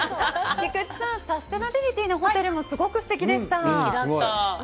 菊地さん、サステナビリティなホテルもすごくすてきでした。